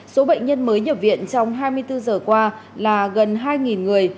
số bệnh nhân mới nhập viện trong hai mươi bốn giờ qua là gần hai người